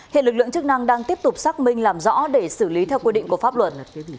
hiện lực lượng chức năng đang tiếp tục xác minh làm rõ để xử lý theo quy định của pháp luật